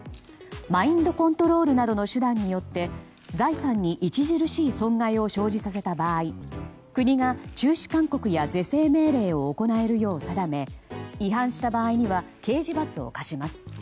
マインドコントロールなどの手段によって財産に著しい損害を生じさせた場合国が中止勧告や是正命令を行えるよう定め違反した場合には刑事罰を科します。